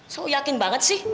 so yakin banget sih